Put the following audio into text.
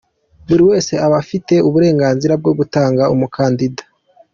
Buri wese aba afite uburenganzira bwo gutanga umukandida.